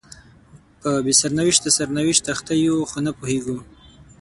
په بې سرنوشته سرنوشت اخته یو خو نه پوهیږو